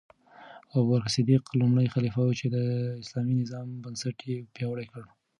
ابوبکر صدیق لومړی خلیفه و چې د اسلامي نظام بنسټ یې پیاوړی کړ.